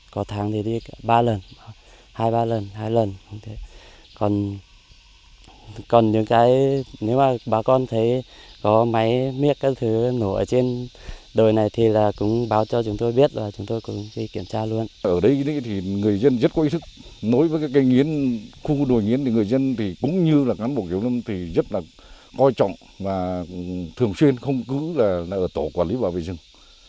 cán bộ kiềm lâm thì rất là coi trọng và thường xuyên không cứ là ở tổ quản lý bảo vệ rừng